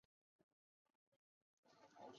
以后他就开始独立工作。